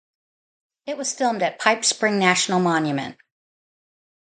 It was filmed at Pipe Spring National Monument.